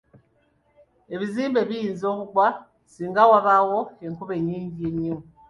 Ebizimbe biyinza okugwa singa wabaawo enkuba ennyingi ennyo.